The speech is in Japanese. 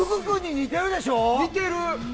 似てる。